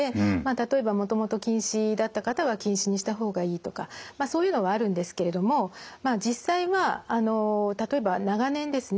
例えばもともと近視だった方は近視にした方がいいとかそういうのはあるんですけれどもまあ実際はあの例えば長年ですね